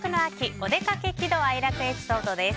おでかけ喜怒哀楽エピソードです。